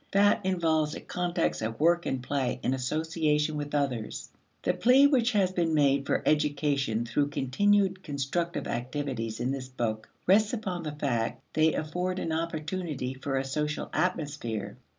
That involves a context of work and play in association with others. The plea which has been made for education through continued constructive activities in this book rests upon the fact they afford an opportunity for a social atmosphere.